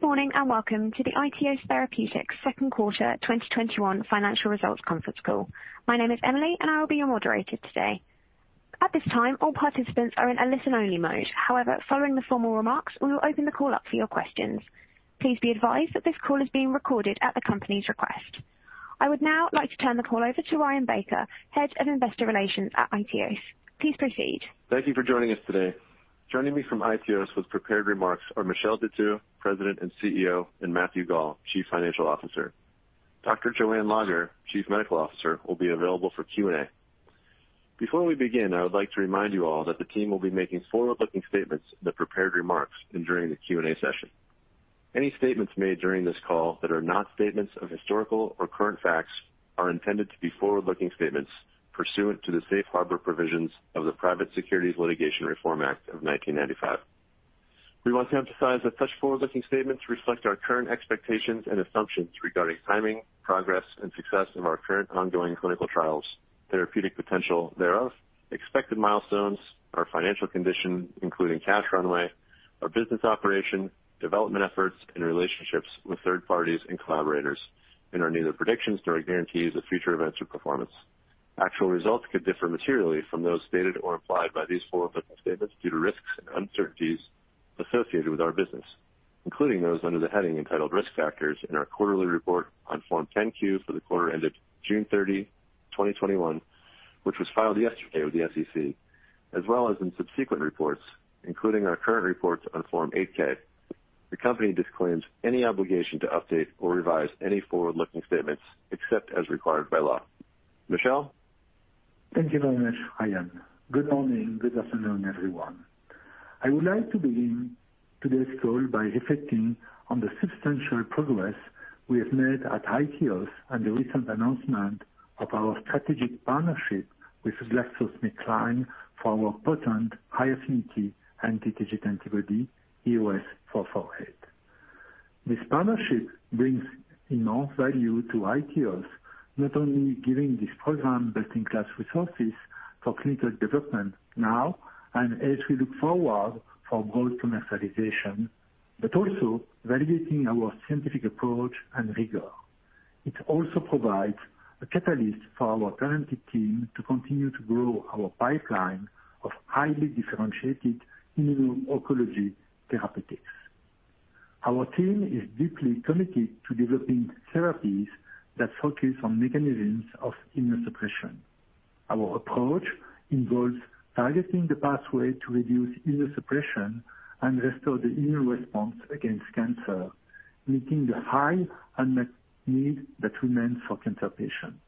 Good morning, and welcome to the iTeos Therapeutics second quarter 2021 financial results conference call. My name is Emily, and I will be your moderator today. At this time, all participants are in a listen-only mode. However, following the formal remarks, we will open the call up for your questions. Please be advised that this call is being recorded at the company's request. I would now like to turn the call over to Ryan Baker, head of investor relations at iTeos. Please proceed. Thank you for joining us today. Joining me from iTeos with prepared remarks are Michel Detheux, president and CEO, and Matthew Gall, chief financial officer. Dr. Joanne Lager, chief medical officer, will be available for Q&A. Before we begin, I would like to remind you all that the team will be making forward-looking statements in the prepared remarks and during the Q&A session. Any statements made during this call that are not statements of historical or current facts are intended to be forward-looking statements pursuant to the safe harbor provisions of the Private Securities Litigation Reform Act of 1995. We want to emphasize that such forward-looking statements reflect our current expectations and assumptions regarding timing, progress, and success of our current ongoing clinical trials, therapeutic potential thereof, expected milestones, our financial condition, including cash runway, our business operation, development efforts, and relationships with third parties and collaborators, and are neither predictions nor guarantees of future events or performance. Actual results could differ materially from those stated or implied by these forward-looking statements due to risks and uncertainties associated with our business, including those under the heading entitled Risk Factors in our quarterly report on Form 10-Q for the quarter ended June 30, 2021, which was filed yesterday with the SEC, as well as in subsequent reports, including our current reports on Form 8-K. The company disclaims any obligation to update or revise any forward-looking statements except as required by law. Michel? Thank you very much, Ryan. Good morning, good afternoon, everyone. I would like to begin today's call by reflecting on the substantial progress we have made at iTeos and the recent announcement of our strategic partnership with GlaxoSmithKline for our potent high-affinity anti-TIGIT antibody, EOS-448. This partnership brings enormous value to iTeos, not only giving this program best-in-class resources for clinical development now and as we look forward for broad commercialization, but also validating our scientific approach and rigor. It also provides a catalyst for our talented team to continue to grow our pipeline of highly differentiated immuno-oncology therapeutics. Our team is deeply committed to developing therapies that focus on mechanisms of immunosuppression. Our approach involves targeting the pathway to reduce immunosuppression and restore the immune response against cancer, meeting the high unmet need that remains for cancer patients.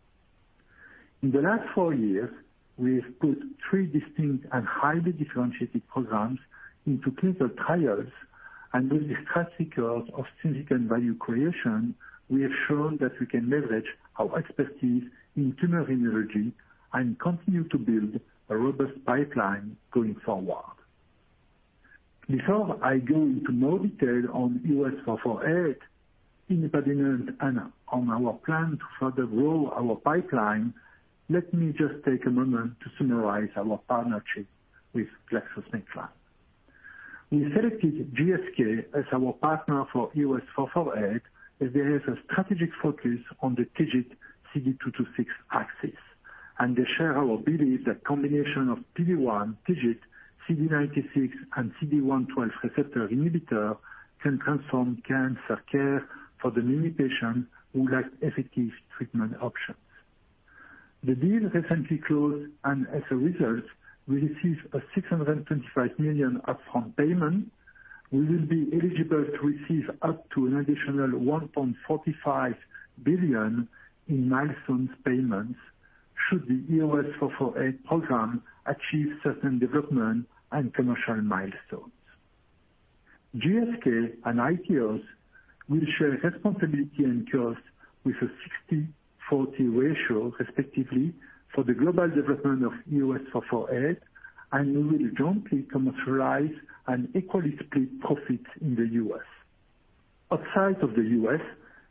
In the last four years, we have put three distinct and highly differentiated programs into clinical trials. With these classical of significant value creation, we have shown that we can leverage our expertise in tumor immunology and continue to build a robust pipeline going forward. Before I go into more detail on EOS-448 in particular and on our plan to further grow our pipeline, let me just take a moment to summarize our partnership with GlaxoSmithKline. We selected GSK as our partner for EOS-448, as there is a strategic focus on the TIGIT CD226 axis. They share our belief that combination of TIGIT, CD96, and CD112 receptor inhibitor can transform cancer care for the many patients who lack effective treatment options. The deal recently closed, and as a result, we received a $625 million upfront payment. We will be eligible to receive up to an additional $1.45 billion in milestone payments should the EOS-448 program achieve certain development and commercial milestones. GSK and iTeos will share responsibility and costs with a 60/40 ratio, respectively, for the global development of EOS-448 and will jointly commercialize and equally split profits in the U.S. Outside of the U.S.,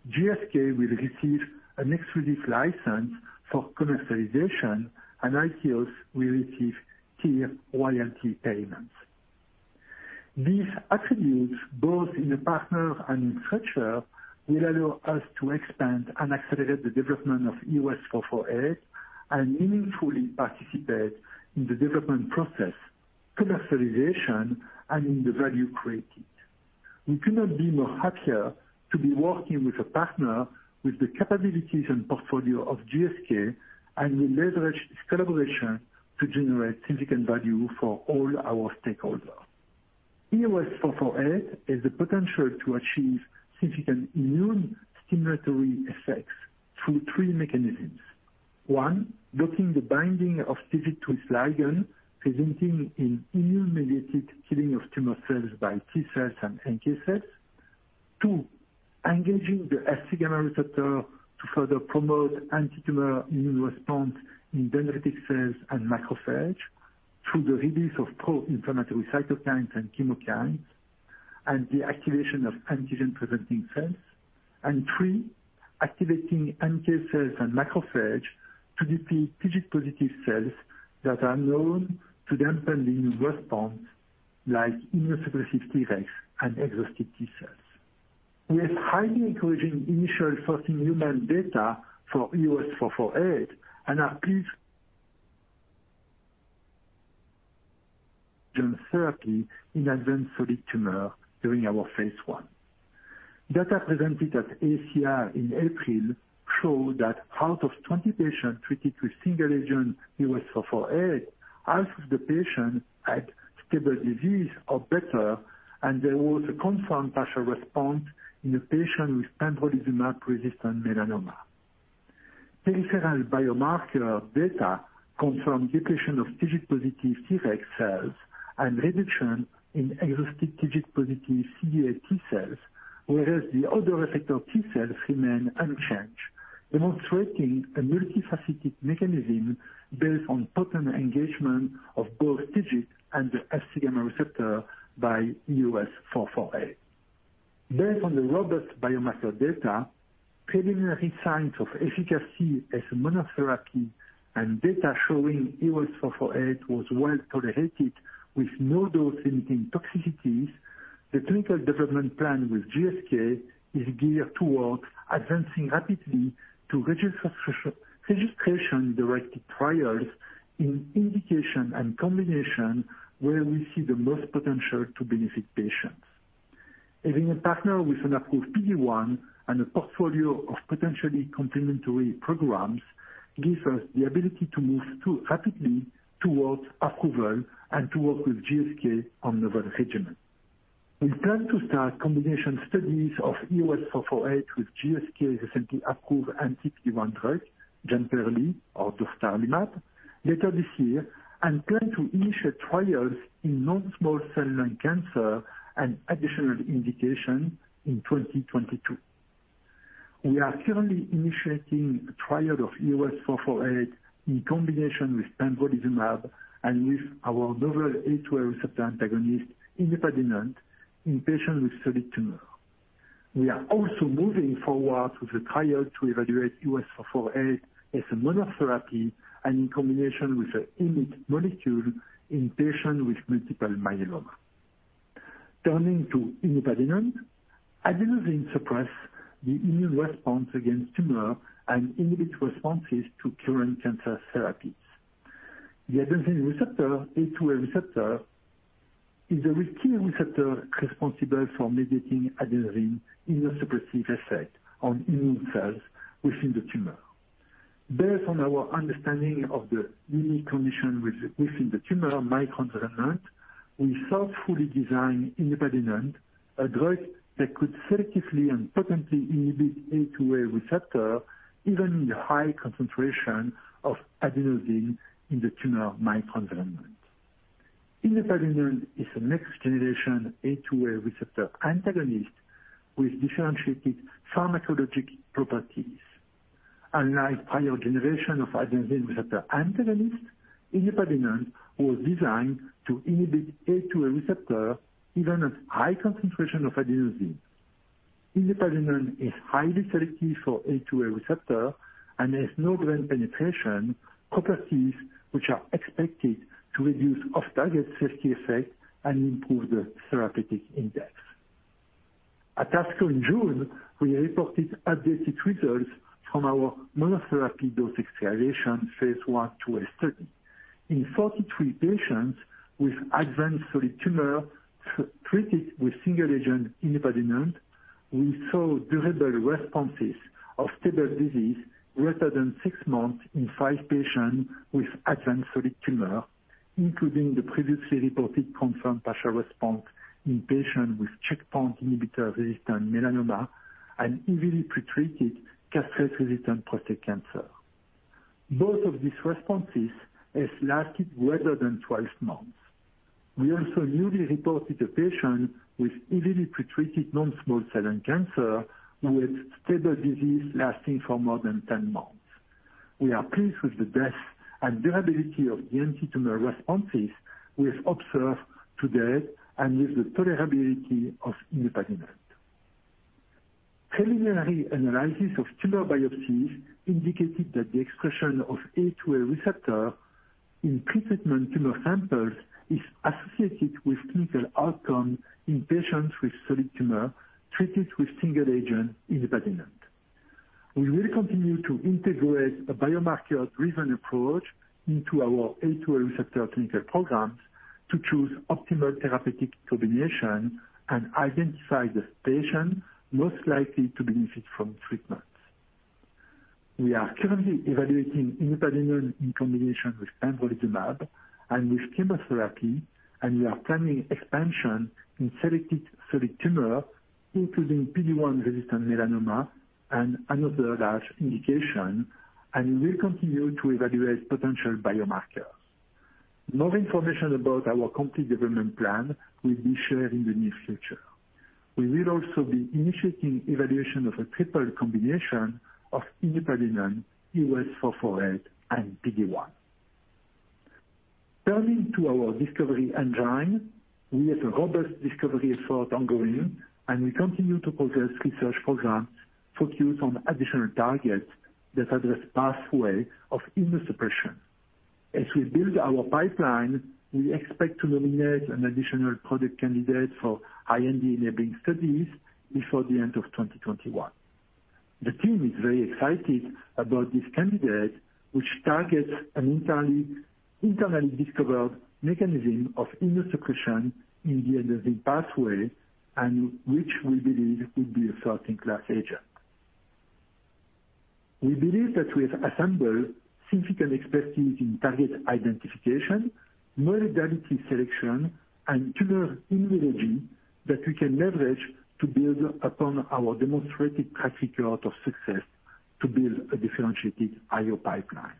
GSK will receive an exclusive license for commercialization, and iTeos will receive tier royalty payments. These attributes, both in the partner and in structure, will allow us to expand and accelerate the development of EOS-448 and meaningfully participate in the development process, commercialization, and in the value created. We could not be more happier to be working with a partner with the capabilities and portfolio of GSK, and we leverage this collaboration to generate significant value for all our stakeholders. EOS-448 has the potential to achieve significant immune stimulatory effects through three mechanisms. one, blocking the binding of TIGIT to its ligand, resulting in immune-mediated killing of tumor cells by T cells and NK cells. Two, engaging the Fc-gamma receptor to further promote antitumor immune response in dendritic cells and macrophage through the release of pro-inflammatory cytokines and chemokines, and the activation of antigen-presenting cells. Three, activating NK cells and macrophages to deplete PD-positive cells that are known to dampen the immune response, like immunosuppressive Tregs and exhausted T cells. We have highly encouraging initial first-in-human data for EOS-448 and are pleased therapy in advanced solid tumor during our phase I. Data presented at AACR in April show that out of 20 patients treated with single agent EOS-448, half of the patients had stable disease or better, and there was a confirmed partial response in a patient with pembrolizumab-resistant melanoma. Peripheral biomarker data confirmed depletion of PD-positive Tregs cells and reduction in exhausted PD-positive CD8 T cells, whereas the other effector T cells remain unchanged, demonstrating a multifaceted mechanism based on potent engagement of both PD and the Fc-gamma receptor by EOS-448. Based on the robust biomarker data, preliminary signs of efficacy as monotherapy, and data showing EOS-448 was well tolerated with no dose-limiting toxicities, the clinical development plan with GSK is geared towards advancing rapidly to registration-directed trials in indication and combination where we see the most potential to benefit patients. Having a partner with an approved PD-1 and a portfolio of potentially complementary programs gives us the ability to move rapidly towards approval and to work with GSK on novel regimens. We plan to start combination studies of EOS-448 with GSK's recently approved anti-PD-1 drug, JEMPERLI or dostarlimab, later this year, and plan to initiate trials in non-small cell lung cancer and additional indications in 2022. We are currently initiating a trial of EOS-448 in combination with pembrolizumab and with our novel A2A receptor antagonist, inupadenant, in patients with solid tumor. We are also moving forward with a trial to evaluate EOS-448 as a monotherapy and in combination with an IMiD molecule in patients with multiple myeloma. Turning to inupadenant, adenosine suppresses the immune response against tumor and inhibits responses to current cancer therapies. The adenosine receptor, A2A receptor, is a receptor responsible for mediating adenosine immunosuppressive effect on immune cells within the tumor. Based on our understanding of the unique condition within the tumor microenvironment, we thoughtfully designed inupadenant, a drug that could selectively and potently inhibit A2A receptor, even in high concentration of adenosine in the tumor microenvironment. Inupadenant is a next-generation A2A receptor antagonist with differentiated pharmacologic properties. Unlike prior generations of adenosine receptor antagonists, inupadenant was designed to inhibit A2A receptor even at high concentrations of adenosine. Inupadenant is highly selective for A2A receptor and has no brain penetration properties, which are expected to reduce off-target safety effects and improve the therapeutic index. At ASCO in June, we reported updated results from our monotherapy dose escalation phase I trial study. In 43 patients with advanced solid tumor treated with single agent inupadenant, we saw durable responses of stable disease greater than six months in five patients with advanced solid tumor, including the previously reported confirmed partial response in patients with checkpoint inhibitor-resistant melanoma and heavily pretreated castrate-resistant prostate cancer. Both of these responses have lasted greater than 12 months. We also newly reported a patient with heavily pretreated non-small cell lung cancer with stable disease lasting for more than 10 months. We are pleased with the depth and durability of anti-tumor responses we have observed to date and with the tolerability of inupadenant. Preliminary analysis of tumor biopsies indicated that the expression of A2A receptor in pre-treatment tumor samples is associated with clinical outcome in patients with solid tumor treated with single agent inupadenant. We will continue to integrate a biomarker-driven approach into our A2A receptor clinical programs to choose optimal therapeutic combination and identify the patients most likely to benefit from treatments. We are currently evaluating inupadenant in combination with pembrolizumab and with chemotherapy, and we are planning expansion in selected solid tumor, including PD-1 resistant melanoma and another large indication, and we will continue to evaluate potential biomarkers. More information about our complete development plan will be shared in the near future. We will also be initiating evaluation of a triple combination of inupadenant, EOS-448, and PD-1. Turning to our discovery engine, we have a robust discovery effort ongoing, and we continue to progress research programs focused on additional targets that address pathway of immunosuppression. As we build our pipeline, we expect to nominate an additional product candidate for IND-enabling studies before the end of 2021. The team is very excited about this candidate, which targets an internally discovered mechanism of immunosuppression in the pathway, and which we believe will be a best-in-class agent. We believe that we have assembled significant expertise in target identification, modality selection, and tumor immunology that we can leverage to build upon our demonstrated track record of success to build a differentiated IO pipeline.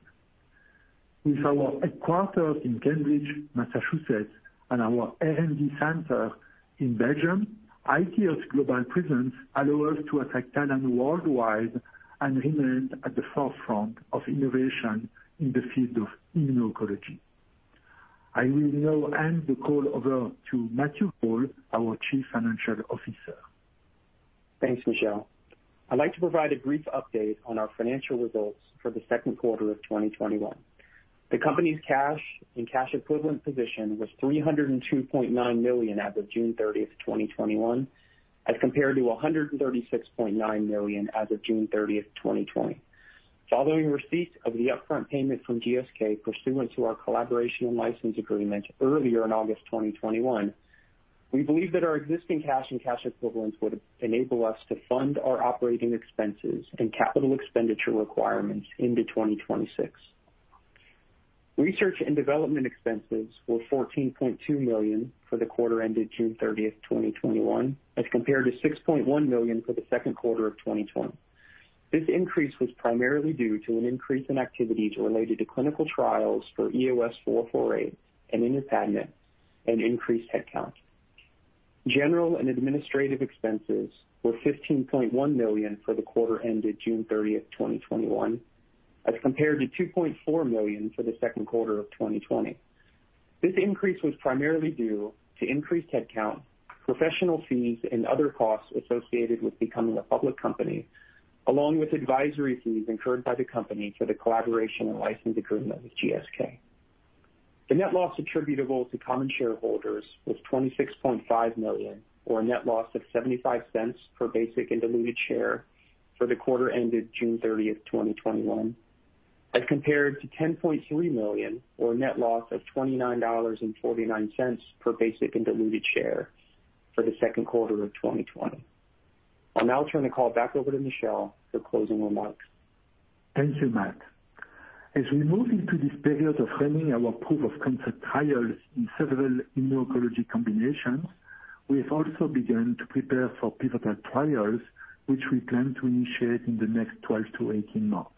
With our headquarters in Cambridge, Massachusetts, and our R&D center in Belgium, iTeos' global presence allow us to attract talent worldwide and remain at the forefront of innovation in the field of immuno-oncology. I will now hand the call over to Matthew Gall, our Chief Financial Officer. Thanks, Michel. I'd like to provide a brief update on our financial results for the second quarter of 2021. The company's cash and cash equivalent position was $302.9 million as of June 30th, 2021, as compared to $136.9 million as of June 30th, 2020. Following receipt of the upfront payment from GSK pursuant to our collaboration and license agreement earlier in August 2021, we believe that our existing cash and cash equivalents would enable us to fund our operating expenses and capital expenditure requirements into 2026. Research and development expenses were $14.2 million for the quarter ended June 30th, 2021, as compared to $6.1 million for the second quarter of 2020. This increase was primarily due to an increase in activities related to clinical trials for EOS-448 and inupadenant, and increased headcount. General and administrative expenses were $15.1 million for the quarter ended June 30th, 2021, as compared to $2.4 million for the second quarter of 2020. This increase was primarily due to increased headcount, professional fees, and other costs associated with becoming a public company, along with advisory fees incurred by the company for the collaboration and license agreement with GSK. The net loss attributable to common shareholders was $26.5 million, or a net loss of $0.75 per basic and diluted share for the quarter ended June 30th, 2021, as compared to $10.3 million, or a net loss of $29.49 per basic and diluted share for the second quarter of 2020. I'll now turn the call back over to Michel for closing remarks. Thank you, Matt. As we move into this period of running our proof of concept trials in several immuno-oncology combinations, we have also begun to prepare for pivotal trials, which we plan to initiate in the next 12 to 18 months.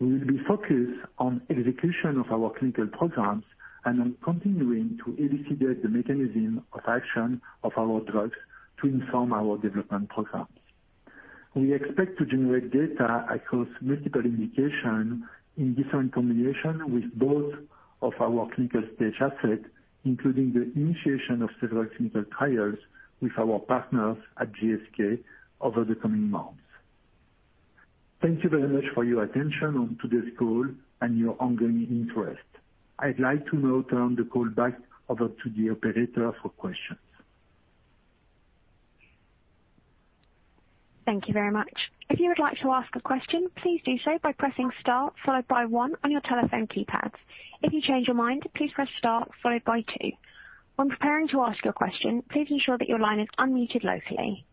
We will be focused on execution of our clinical programs and on continuing to elucidate the mechanism of action of our drugs to inform our development programs. We expect to generate data across multiple indications in different combination with both of our clinical stage assets, including the initiation of several clinical trials with our partners at GSK over the coming months. Thank you very much for your attention on today's call and your ongoing interest. I'd like to now turn the call back over to the operator for questions. Thank you very much. If you would like to ask a question, please do so by pressing star followed by one on your telephone keypad. If you change your mind please press star followed by two. When asking your question please make sure your line is unmuted locally.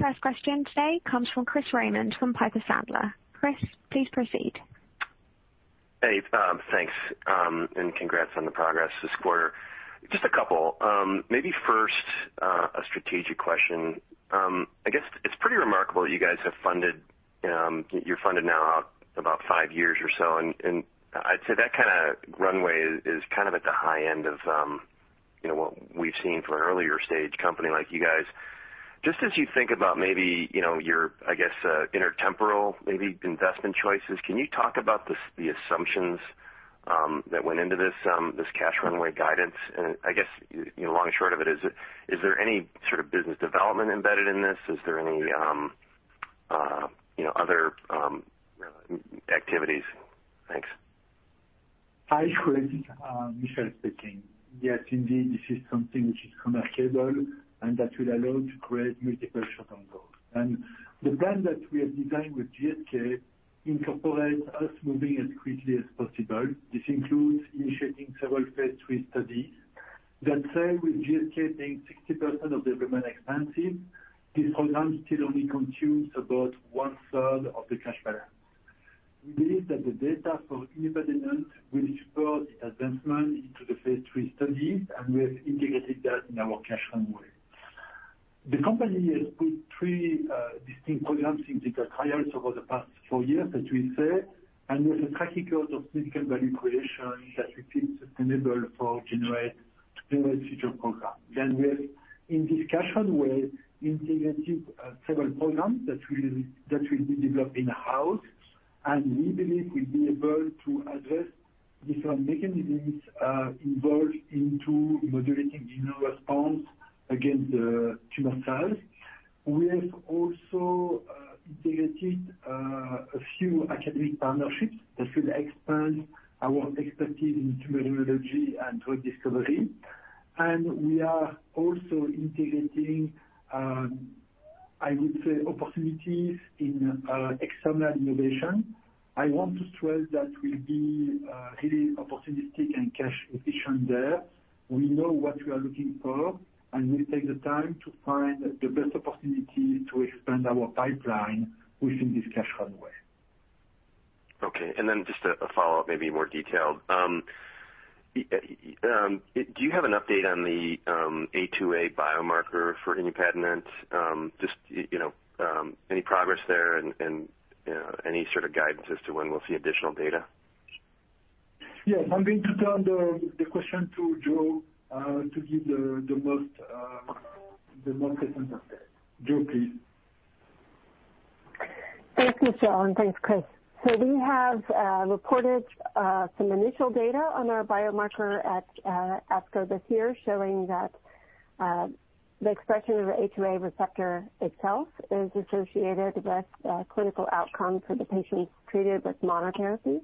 first question today comes from Chris Raymond from Piper Sandler. Chris, please proceed. Hey, thanks, and congrats on the progress this quarter. Just a couple. Maybe first, a strategic question. I guess it's pretty remarkable that you guys have funded now out about 5 years or so. I'd say that kind of runway is kind of at the high end of what we've seen for an earlier stage company like you guys. Just as you think about maybe your, I guess, intertemporal, maybe investment choices, can you talk about the assumptions that went into this cash runway guidance? I guess, long and short of it, is there any sort of business development embedded in this? Is there any other activities? Thanks. Hi, Chris. Michel speaking. Yes, indeed, this is something which is remarkable and that will allow to create multiple short on goals. The plan that we have designed with GSK incorporates us moving as quickly as possible. This includes initiating several phase II studies. That said, with GSK paying 60% of development expenses, this program still only consumes about one-third of the cash balance. We believe that the data for inupadenant will support the advancement into the phase III studies. We have indicated that in our cash runway. The company has put three existing programs in clinical trials over the past four years, as we said. There's a track record of clinical value creation that we feel is sustainable for generate future programs. We are in discussion with integrating several programs that we developed in-house, and we believe we'll be able to address different mechanisms involved in modulating immunoresponse against tumor cells. We have also integrated a few academic partnerships that will expand our expertise in tumor immunology and drug discovery, and we are also integrating, I would say, opportunities in external innovation. I want to stress that we'll be really opportunistic and cash efficient there. We know what we are looking for, and we take the time to find the best opportunity to expand our pipeline within this cash runway. Okay. Just a follow-up, maybe more detailed. Do you have an update on the A2A biomarker for inupadenant? Just any progress there and any sort of guidance as to when we'll see additional data? Yes. I'm going to turn the question to Jo to give the most recent update. Jo, please. Thank you, Michel, and thanks, Chris. We have reported some initial data on our biomarker at ASCO this year, showing that the expression of A2A receptor itself is associated with clinical outcome for the patients treated with monotherapy.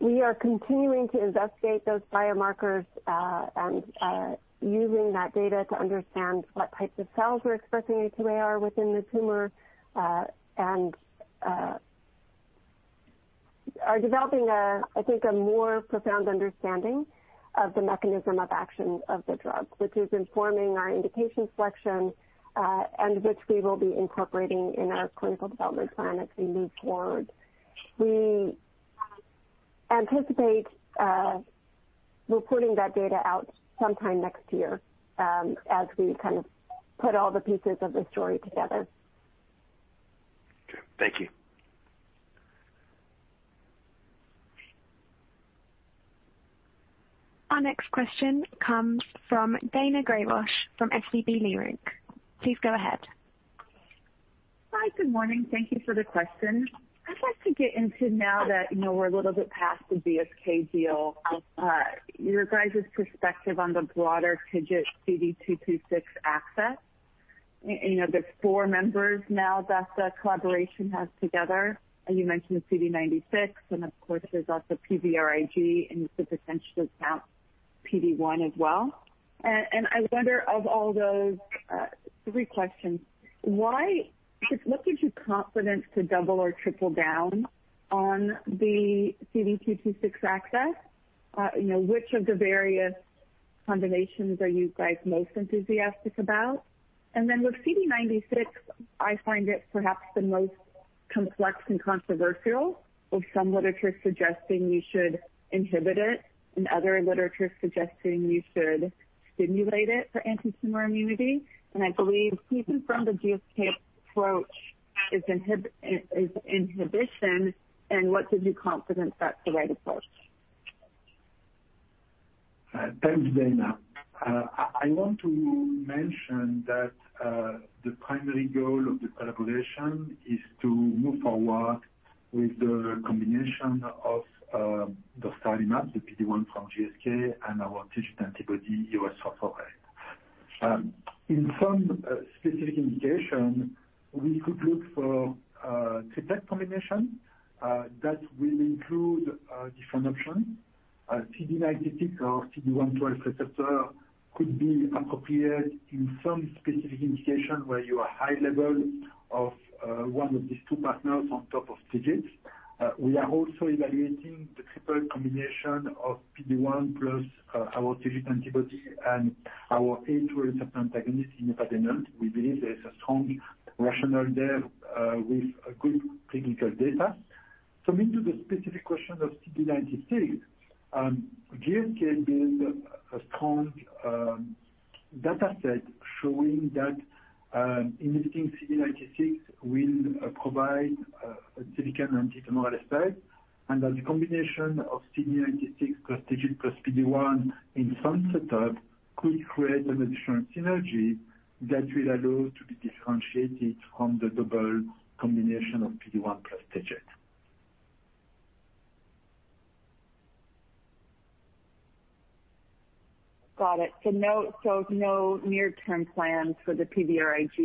We are continuing to investigate those biomarkers, and using that data to understand what types of cells are expressing A2AR within the tumor, and are developing a, I think, a more profound understanding of the mechanism of action of the drug, which is informing our indication selection, and which we will be incorporating in our clinical development plan as we move forward. We anticipate reporting that data out sometime next year, as we kind of put all the pieces of the story together. Okay. Thank you. Our next question comes from Daina Graybosch from SVB Leerink. Please go ahead. Hi. Good morning. Thank you for the question. I'd like to get into now that we're a little bit past the GSK deal, your guys' perspective on the broader TIGIT CD226 axis. There's four members now that the collaboration has together. You mentioned the CD96, and of course, there's also PVRIG, and with the potential to count PD-1 as well. I wonder of all those, three questions. What gives you confidence to double or triple down on the CD226 axis? Which of the various combinations are you guys most enthusiastic about? With CD96, I find it perhaps the most complex and controversial, with some literature suggesting you should inhibit it, and other literature suggesting you should stimulate it for antitumor immunity. I believe even from the GSK approach is inhibition, and what gives you confidence that's the right approach? Thanks, Daina. I want to mention that the primary goal of the collaboration is to move forward with the combination of dostarlimab, the PD-1 from GSK, and our TIGIT antibody, IRX-444. In some specific indication, we could look for TIGIT combination that will include different options. CD96 or CD112 receptor could be appropriate in some specific indication where you have high level of one of these two partners on top of TIGIT. We are also evaluating the triple combination of PD-1 plus our TIGIT antibody and our A2A receptor antagonist, inupadenant. We believe there's a strong rationale there with good clinical data. Coming to the specific question of CD96, GSK built a strong dataset showing that inhibiting CD96 will provide a significant antitumor effect, and that the combination of CD96 plus TIGIT plus PD-1 in some setup could create an additional synergy that will allow to be differentiated from the double combination of PD-1 plus TIGIT. Got it. No near-term plans for the PVRIG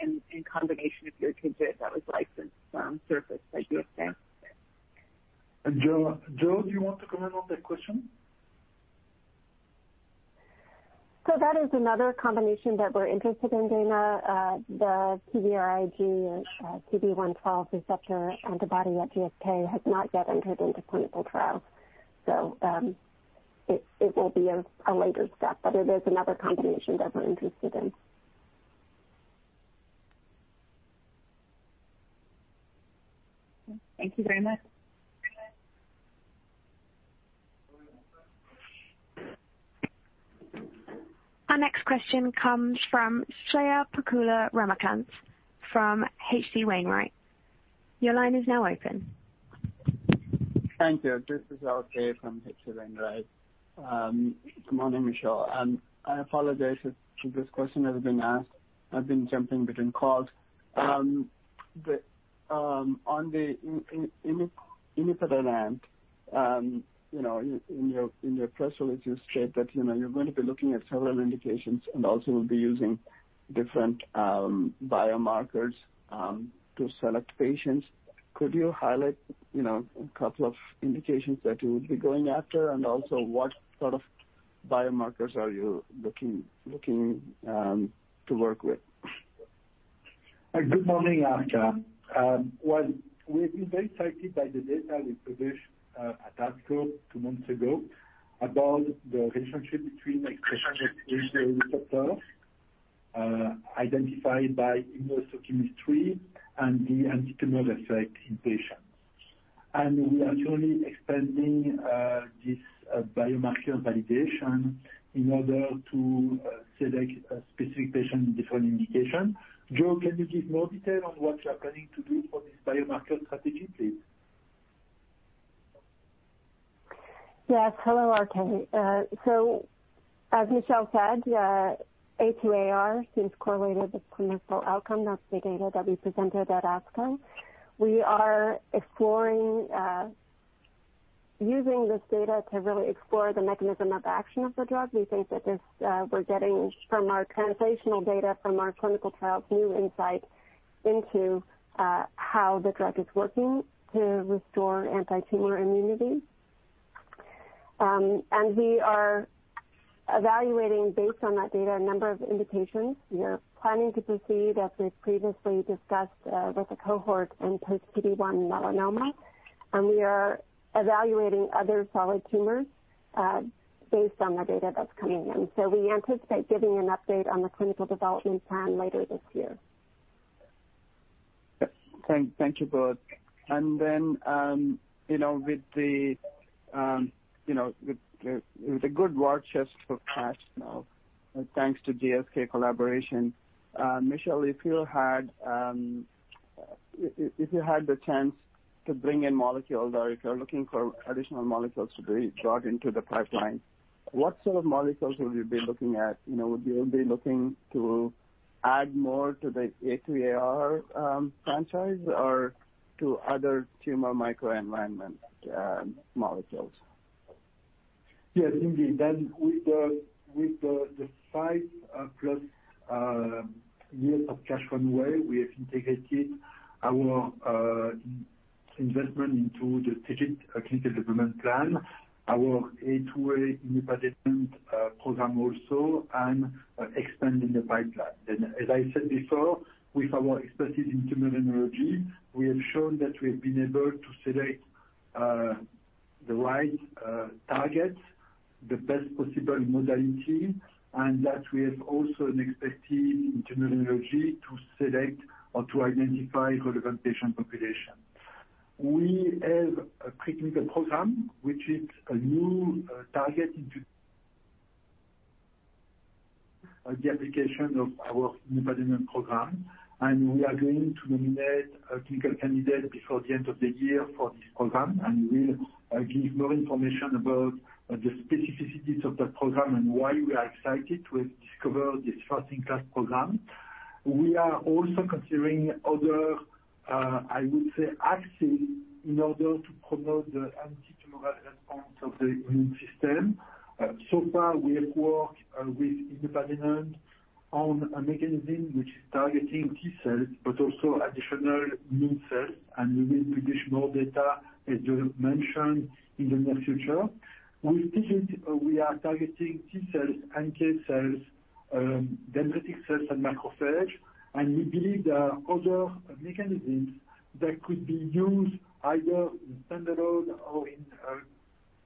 in combination with your TIGIT that was licensed from Surface by GSK? Jo, do you want to comment on that question? That is another combination that we're interested in, Daina. The PVRIG CD112 receptor antibody at GSK has not yet entered into clinical trial, so it will be a later step. It is another combination that we're interested in. Thank you very much. Our next question comes from Swayampakula Ramakanth from H.C. Wainwright. Your line is now open. Thank you. This is RK from H.C. Wainwright & Co. Good morning, Michel. I apologize if this question has been asked. I've been jumping between calls. On the inupadenant, in your press release, you state that you're going to be looking at several indications and also will be using different biomarkers to select patients. Could you highlight a couple of indications that you would be going after? Also, what sort of biomarkers are you looking to work with? Good morning, RK. Well, we've been very excited by the data we published at ASCO two months ago about the relationship between expression of the receptor identified by immunohistochemistry and the antitumor effect in patients. We are currently expanding this biomarker validation in order to select a specific patient with different indication. Jo, can you give more detail on what you're planning to do for this biomarker strategy, please? Yes. Hello, RK. As Michel said, A2AR is correlated with clinical outcome. That's the data that we presented at ASCO. We are using this data to really explore the mechanism of action of the drug. We think that we're getting, from our translational data, from our clinical trials, new insight into how the drug is working to restore antitumor immunity. We are evaluating, based on that data, a number of indications. We are planning to proceed, as we've previously discussed, with a cohort in post-PD-1 melanoma, and we are evaluating other solid tumors based on the data that's coming in. We anticipate giving an update on the clinical development plan later this year. Thank you both. Then with the good war chest of cash now, thanks to GSK collaboration, Michel, if you had the chance to bring in molecules, or if you're looking for additional molecules to be brought into the pipeline, what sort of molecules would you be looking at? Would you be looking to add more to the A2AR franchise or to other tumor microenvironment molecules? Yes, indeed. With the 5+ years of cash runway, we have integrated our investment into the TIGIT clinical development plan, our inupadenant program also, and expanding the pipeline. As I said before, with our expertise in tumor immunology, we have shown that we have been able to select the right targets, the best possible modality, and that we have also an expertise in tumor immunology to select or to identify relevant patient population. We have a preclinical program, which is a new target into the application of our inupadenant program, and we are going to nominate a clinical candidate before the end of the year for this program, and we'll give more information about the specificities of that program and why we are excited to have discovered this first-in-class program. We are also considering other, I would say, axes in order to promote the antitumor response of the immune system. So far, we have worked with inupadenant on one mechanism which is targeting T cells, but also additional immune cells, and we will produce more data, as Jo mentioned, in the near future. With TIGIT, we are targeting T cells, NK cells, dendritic cells, and macrophage, and we believe there are other mechanisms that could be used either in pembro or in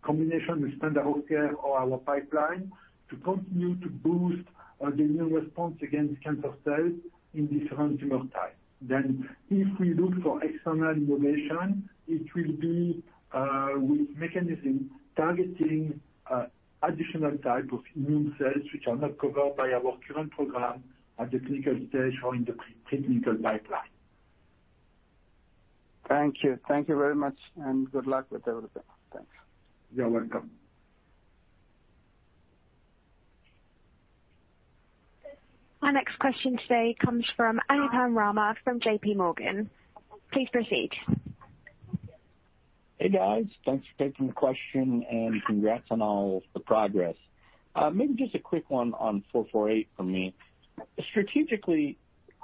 combination with standard of care or our pipeline to continue to boost the immune response against cancer cells in different tumor types. If we look for external innovation, it will be with mechanism targeting additional type of immune cells which are not covered by our current program at the clinical stage or in the preclinical pipeline. Thank you. Thank you very much, and good luck with everything. Thanks. You're welcome. Our next question today comes from Anupam Rama from JP Morgan. Please proceed. Hey, guys. Thanks for taking the question. Congrats on all of the progress. Maybe just a quick one on EOS-448 from me. Strategically,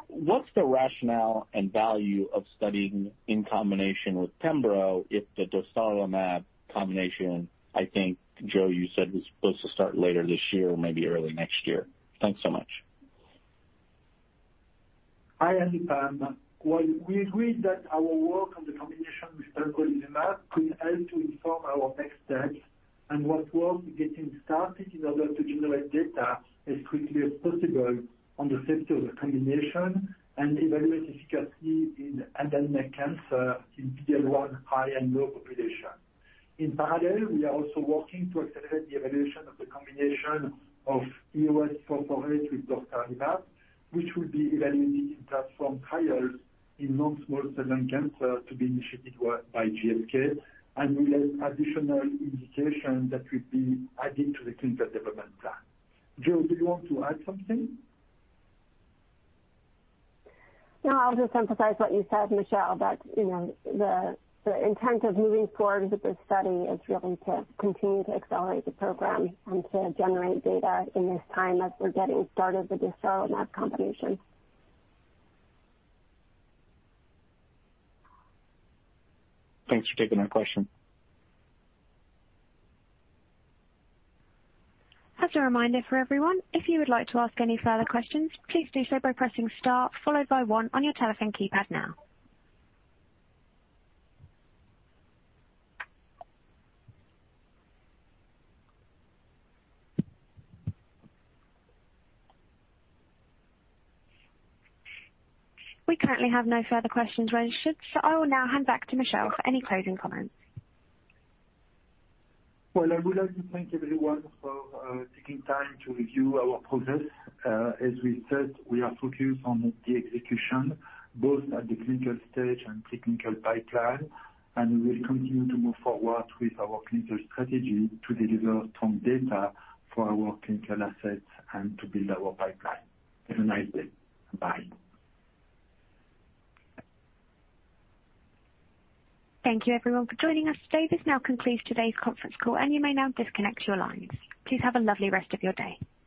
what's the rationale and value of studying in combination with pembro if the dostarlimab combination, I think, Jo, you said was supposed to start later this year or maybe early next year? Thanks so much. Hi, Anupam. Well, we agreed that our work on the combination with dostarlimab could help to inform our next steps and will work to getting started in order to generate data as quickly as possible on the safety of the combination and evaluate the efficacy in advanced lung cancer in PD-L1 high and low population. In parallel, we are also working to accelerate the evaluation of the combination of EOS-448 with dostarlimab, which will be evaluated in transform trials in non-small cell lung cancer to be initiated by GSK and will add additional indication that will be added to the clinical development plan. Jo, do you want to add something? I'll just emphasize what you said, Michel, that the intent of moving forward with this study is really to continue to accelerate the program and to generate data in this time as we're getting started with dostarlimab combination. Thanks for taking that question. As a reminder for everyone, if you would like to ask any further questions, please do so by pressing star, followed by one on your telephone keypad now. We currently have no further questions registered. I will now hand back to Michel for any closing comments. Well, I would like to thank everyone for taking time to review our progress. As we said, we are focused on the execution, both at the clinical stage and technical pipeline, and we will continue to move forward with our clinical strategy to deliver strong data for our clinical assets and to build our pipeline. Have a nice day. Bye. Thank you everyone for joining us today. This now concludes today's conference call, and you may now disconnect your lines. Please have a lovely rest of your day.